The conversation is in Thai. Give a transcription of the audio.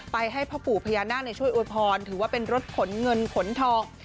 ให้พ่อปู่พญานาคช่วยอวยพรถือว่าเป็นรถขนเงินขนทอง